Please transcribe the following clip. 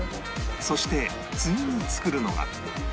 そして次に作るのが